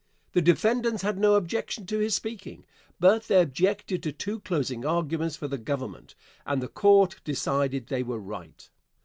The defendants had no objection to his speaking, but they objected to two closing arguments for the Government, and the Court decided they were right.